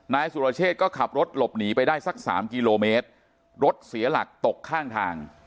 นายสุรเชษก็ขับรถหลบหนีไปได้สักสามกิโลเมตรรถเสียหลักตกข้างทาง